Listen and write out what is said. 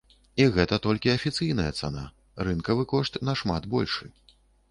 І гэта толькі афіцыйная цана, рынкавы кошт нашмат большы.